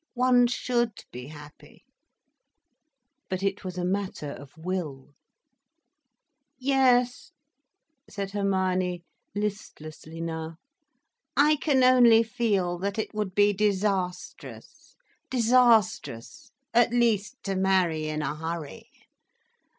"One should be happy—" But it was a matter of will. "Yes," said Hermione, listlessly now, "I can only feel that it would be disastrous, disastrous—at least, to marry in a hurry.